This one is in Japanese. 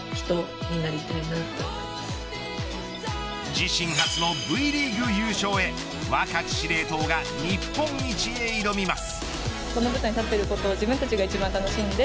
自身初のＶリーグ優勝へ若き司令塔が日本一へ挑みます。